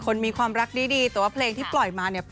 มีความรักดีแต่ว่าเพลงที่ปล่อยมาเนี่ย